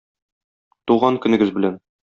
Туган көнегез белән!